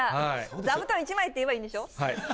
座布団１枚って言えばいいんでしょ。